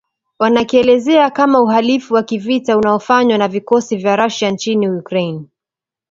wanakielezea kama uhalifu wa kivita unaofanywa na vikosi vya Russia nchini Ukraine